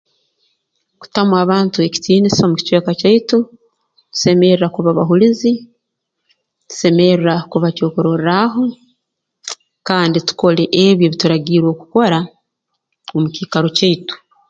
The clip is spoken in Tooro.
Kutuma abantu ekitiinisa omu kicweka kyaitu ntusemerra kuba bahulizi ntusemerra kuba kyokurorraaho kandi tukole ebi ebi turagiirwe kukora omu kiikaro kyaitu